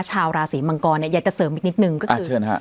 ชาวราศีมังกรเนี่ยอยากจะเสริมอีกนิดนึงก็คือเชิญฮะ